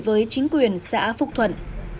với chính quyền xã phục thuận